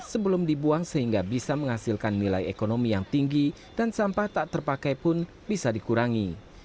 sebelum dibuang sehingga bisa menghasilkan nilai ekonomi yang tinggi dan sampah tak terpakai pun bisa dikurangi